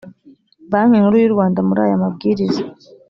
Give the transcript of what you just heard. banki nkuru y u rwanda muri aya mabwiriza